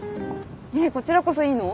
えっこちらこそいいの？